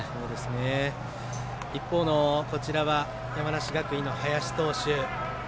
一方の山梨学院の林投手。